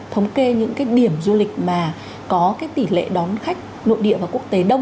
thống kê những cái điểm du lịch mà có cái tỷ lệ đón khách nội địa và quốc tế đông